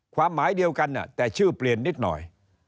ความหมายเดียวกันแต่ชื่อเปลี่ยนนิดหน่อย